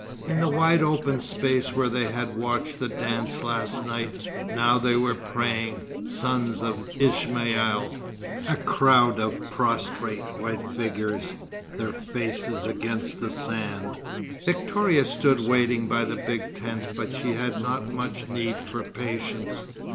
In the wide open space where they had watched the dance last night, now they were praying, sons of Ishmael, a crowd of prostrate white figures, their faces against the sand. Victoria stood waiting by the big tent, but she had not much need for patience.